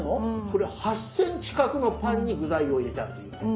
これ８ｃｍ角のパンに具材を入れてあるというね。